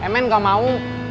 mn gak mau